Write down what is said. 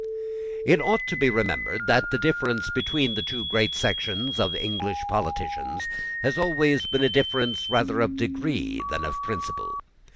It ought to be remembered that the difference between the two great sections of English politicians has always been a difference rather of degree than of principle.